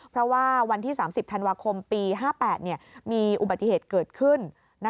เพราะว่าวันที่๓๐ธันวาคมปี๕๘มีอุบัติเหตุเกิดขึ้น